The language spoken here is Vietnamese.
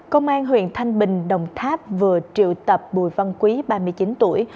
công an huyện thanh bình đồng tháp vừa triệu tập bùi văn quý ba mươi chín tuổi